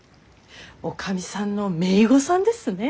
女将さんの姪御さんですね。